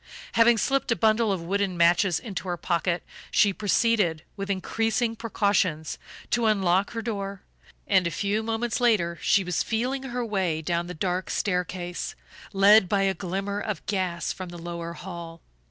Having slipped a bundle of wooden matches into her pocket she proceeded, with increasing precautions, to unlock her door, and a few moments later she was feeling her way down the dark staircase, led by a glimmer of gas from the lower hall.